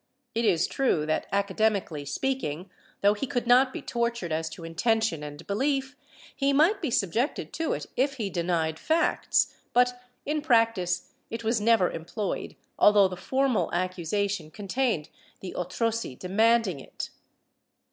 It is true that, academically speaking, though he could not be tortured as to intention and belief, he might be subjected to it if he denied facts, but in practice it was never employed, although the formal accusation contained the otrosi demanding it.